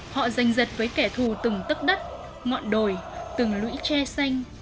họ ranh giật với kẻ thù từng tất đất ngọn đồi từng lũy tre xanh